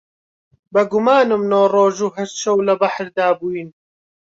بە گومانم نۆ ڕۆژ و هەشت شەو لە بەحردا بووین